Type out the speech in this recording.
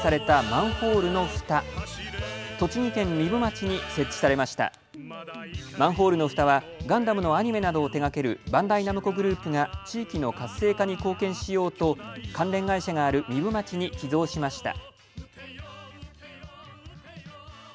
マンホールのふたはガンダムのアニメなどを手がけるバンダイナムコグループが地域の活性化に貢献しようと関連会社がある壬生町に寄贈しました。